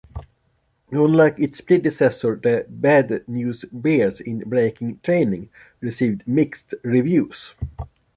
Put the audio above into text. Unlike its predecessor, "The Bad News Bears in Breaking Training" received mixed reviews.